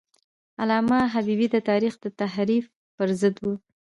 علامه حبیبي د تاریخ د تحریف پر ضد و.